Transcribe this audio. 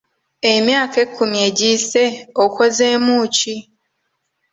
Emyaka ekkumi egiyise okozeemu ki?